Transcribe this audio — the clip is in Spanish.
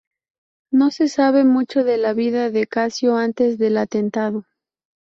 No se sabe mucho de la vida de Casio antes del atentado.